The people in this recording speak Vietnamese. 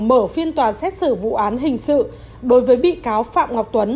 mở phiên tòa xét xử vụ án hình sự đối với bị cáo phạm ngọc tuấn